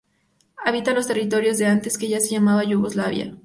Habita en los territorios que antes se llamaban Yugoslavia.